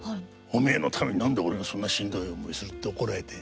「お前のために何で俺がそんなしんどい思いする？」って怒られて。